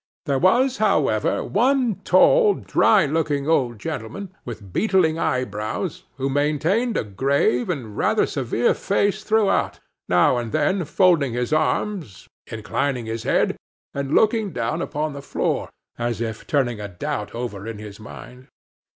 There was, however, one tall, dry looking old gentleman, with beetling eyebrows, who maintained a grave and rather severe face throughout, now and then folding his arms, inclining his head, and looking down upon the floor, as if turning a doubt over in his mind.